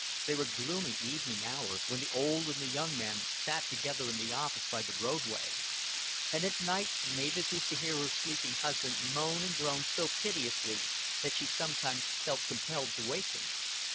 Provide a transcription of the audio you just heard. They were gloomy evening hours, when the old and the young man sat together in the office by the roadway; and at night Mavis used to hear her sleeping husband moan and groan so piteously that she sometimes felt compelled to wake him.